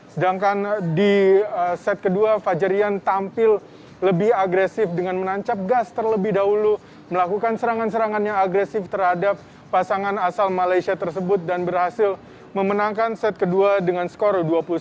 sedangkan di set kedua fajar rian tampil lebih agresif dengan menancap gas terlebih dahulu melakukan serangan serangan yang agresif terhadap pasangan asal malaysia tersebut dan berhasil memenangkan set kedua dengan skor dua puluh satu